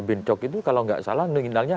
bencok itu kalau nggak salah nominalnya